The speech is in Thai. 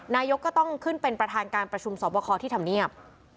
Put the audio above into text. นายกก็ต้องขึ้นเป็นประธานการประชุมสอบคอที่ทำเนียบ